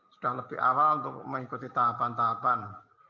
sudah lebih awal untuk mengikuti tahapan tahapan